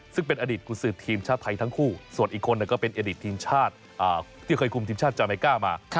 ซึ่งเป็นอดีตกุศือทีมชาติไทยทั้งคู่ส่วนอีกคนก็เป็นอดีตทีมชาติที่เคยคุมทีมชาติจาเมก้ามา